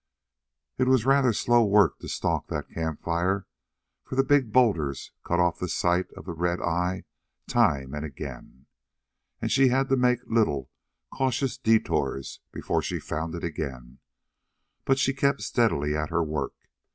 It was rather slow work to stalk that camp fire, for the big boulders cut off the sight of the red eye time and again, and she had to make little, cautious detours before she found it again, but she kept steadily at her work.